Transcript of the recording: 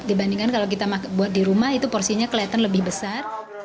dibandingkan kalau kita buat di rumah itu porsinya kelihatan lebih besar